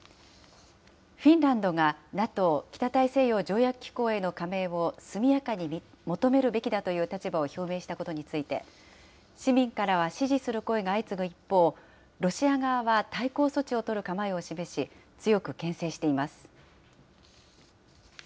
フィンランドがＮＡＴＯ・北大西洋条約機構への加盟を速やかに求めるべきだという立場を表明したことについて、市民からは支持する声が相次ぐ一方、ロシア側は対抗措置を取る構えを示し、強くけん制しています。